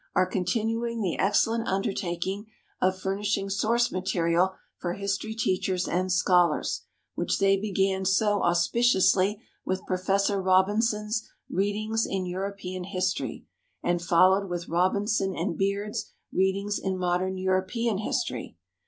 are continuing the excellent undertaking of furnishing source material for history teachers and scholars, which they began so auspiciously with Prof. Robinson's "Readings in European History," and followed with Robinson and Beard's "Readings in Modern European History."